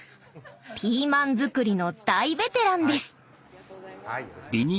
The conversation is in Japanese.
ピーマン作りの大ベテランです。